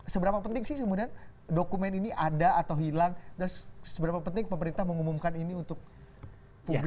seberapa penting sih kemudian dokumen ini ada atau hilang dan seberapa penting pemerintah mengumumkan ini untuk publik